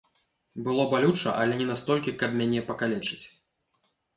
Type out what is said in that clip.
Было балюча, але не настолькі, каб мяне пакалечыць.